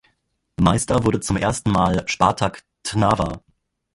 Meister wurde zum ersten Mal Spartak Trnava.